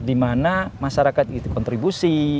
dimana masyarakat itu kontribusi